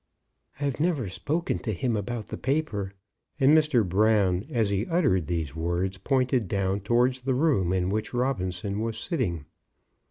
"I've never spoken to him about the paper;" and Mr. Brown, as he uttered these words, pointed down towards the room in which Robinson was sitting.